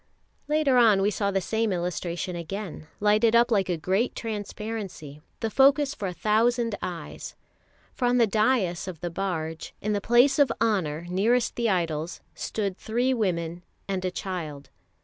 Later on we saw the same illustration again, lighted up like a great transparency, the focus for a thousand eyes. For on the daïs of the barge, in the place of honour nearest the idols, stood three women and a child.